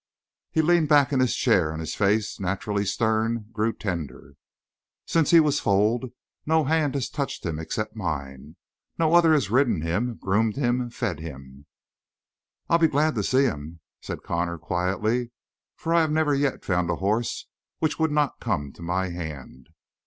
He leaned back in his chair and his face, naturally stern, grew tender. "Since he was foaled no hand has touched him except mine; no other has ridden him, groomed him, fed him." "I'll be glad to see him," said Connor quietly. "For I have never yet found a horse which would not come to my hand."